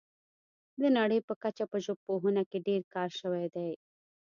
د نړۍ په کچه په ژبپوهنه کې ډیر کار شوی دی